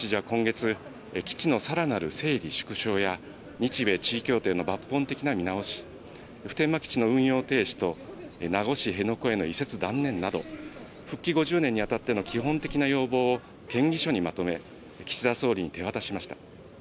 玉城知事は今月、基地のさらなる整理・縮小や、日米地位協定の抜本的な見直し、普天間基地の運用停止と名護市辺野古への移設断念など、復帰５０年にあたっての基本的な要望を建議書にまとめ、岸田総理に手渡しました。